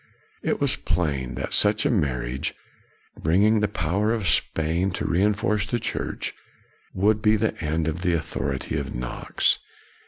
It was plain that such a marriage, bringing the power of Spain to reinforce the Church, would be the end of the authority of Knox.